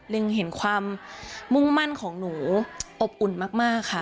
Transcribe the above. เห็นความมุ่งมั่นของหนูอบอุ่นมากค่ะ